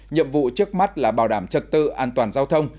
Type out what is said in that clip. nhiệm vụ trước mắt là bảo đảm trật tự an toàn giao thông